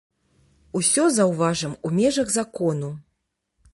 Усё, заўважым, у межах закону.